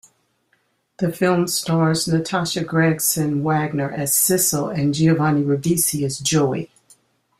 The film stars Natasha Gregson Wagner as Sissel and Giovanni Ribisi as Joey.